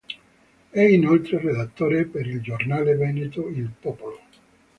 È inoltre redattore per il giornale veneto "Il Popolo".